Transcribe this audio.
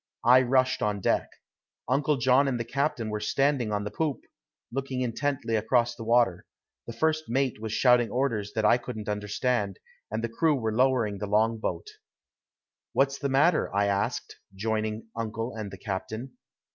I rushed on deck. Uncle John and the captain were standing on the poop, looking intently across the water; the first mate was shouting orders that I couldn't understand, and the crew were lowering the long boat. "What's the matter?" I asked, joining uncle and the captain.